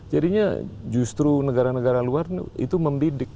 jadinya justru negara negara luar itu membidik